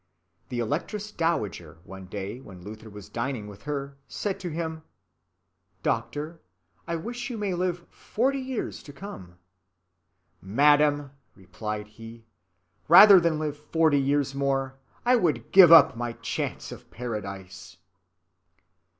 —The Electress Dowager, one day when Luther was dining with her, said to him: "Doctor, I wish you may live forty years to come." "Madam," replied he, "rather than live forty years more, I would give up my chance of Paradise."